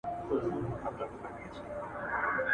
یو ټبر یو ټوله تور ټوله کارګان یو !.